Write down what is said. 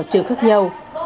và sở trường khác nhau